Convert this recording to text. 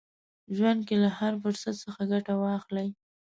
ژوند کې له هر فرصت څخه ګټه واخلئ.